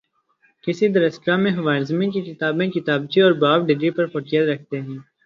کسی درسگاہ میں خوارزمی کی کتابیں کتابچے اور باب ڈگری پر فوقیت رکھتے ہیں